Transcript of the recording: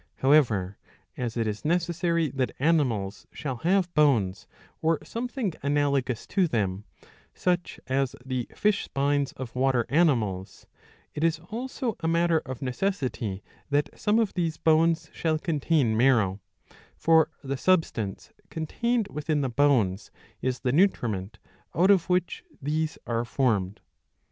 ^ However, as it is necessary that animals shall have bones or something analogous to them, such as the fish spines of water animals,^ it is also a matter of necessity that some of these bones shall contain marrow ; for the substance contained within the bones is the nutriment out of which these are formed.